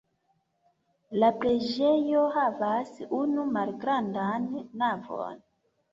La preĝejo havas unu malgrandan navon.